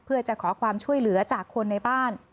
เพื่อจะขอความช่วยเหลือจากคนในบ้าน